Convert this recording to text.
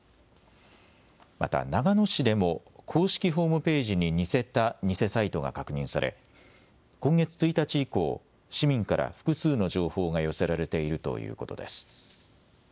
また長野市でも公式ホームページに似せた偽サイトが確認され今月１日以降、市民から複数の情報が寄せられているということです。